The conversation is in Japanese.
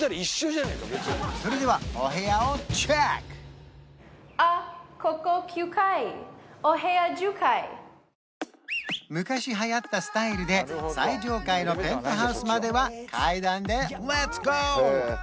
それではあっ昔はやったスタイルで最上階のペントハウスまでは階段でレッツゴー！